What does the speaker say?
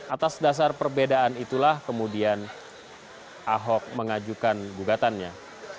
atas dasar perbedaan itulah kemudian ahok mengajukan gugatannya